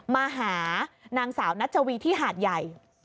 มาหานางสาวนัชวีที่หาดใหญ่